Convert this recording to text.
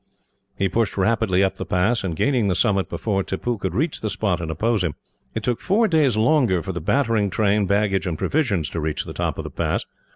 He pushed rapidly up the pass, and gained the summit before Tippoo could reach the spot and oppose him. It took four days longer for the battering train, baggage, and provisions to reach the top of the pass.